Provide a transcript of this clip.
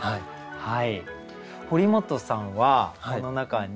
はい。